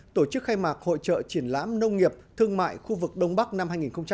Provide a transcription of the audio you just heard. tổ chức khai mạc hội trợ triển lãm nông nghiệp thương mại khu vực đông bắc năm hai nghìn hai mươi